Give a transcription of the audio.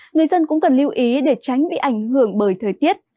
người dân cũng cần lưu ý để tránh bị ảnh hưởng bởi thời tiết